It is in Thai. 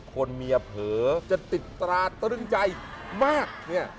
คนเมียเผลอจะติดตราตรึงใจมากเนี่ย